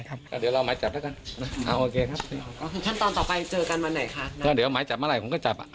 ก็เดี๋ยวว่าไม้จับเมื่อไรผมก็จับอะ